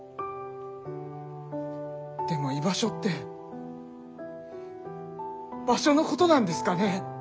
でも居場所って場所のことなんですかね？